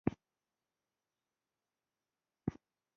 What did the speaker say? د زړه حمله څنګه راځي؟